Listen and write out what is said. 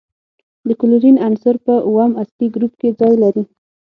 د کلورین عنصر په اووم اصلي ګروپ کې ځای لري.